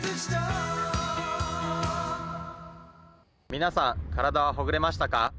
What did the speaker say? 皆さん、体はほぐれましたか？